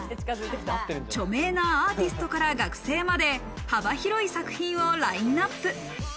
著名なアーティストから学生まで、幅広い作品をラインナップ。